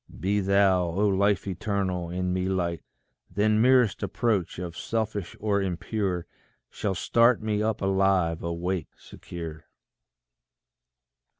Be thou, O Life eternal, in me light; Then merest approach of selfish or impure Shall start me up alive, awake, secure.